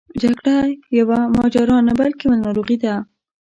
جګړه یوه ماجرا نه بلکې یوه ناروغي ده.